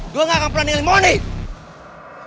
gue gak akan pernah ninggalin money